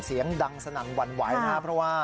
เสียงดังสนั่นหวั่นไหวนะครับเพราะว่า